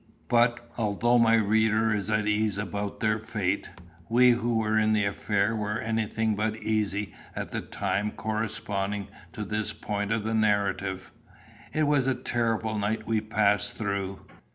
But although my reader is at ease about their fate, we who were in the affair were anything but easy at the time corresponding to this point of the narrative. It was a terrible night we passed through.